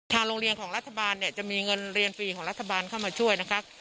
โรงเรียนของรัฐบาลเนี่ยจะมีเงินเรียนฟรีของรัฐบาลเข้ามาช่วยนะคะ